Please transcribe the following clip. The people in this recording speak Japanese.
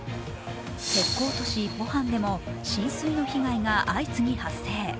鉄鋼都市ポハンでも浸水の被害が相次ぎ発生。